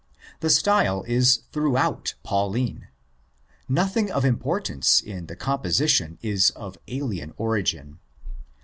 The style is throughout '' Pauline." Nothing of importance in the composition is of alien origin.